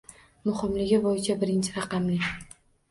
Muhimligi bo’yicha birinchi raqamli.